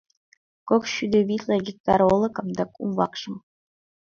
Кок шӱдӧ витле гектар олыкым да кум вакшым!..